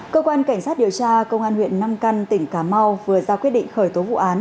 cơ quan cảnh sát điều tra công an huyện nam căn tỉnh cà mau vừa ra quyết định khởi tố vụ án